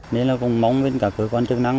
nên là vùng móng vùng cửa vùng trường